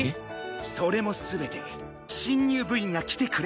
それも全て新入部員が来てくれると信じてたから。